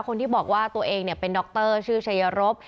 คนที่บอกว่าตัวเองเป็นดรชื่อชัยรบ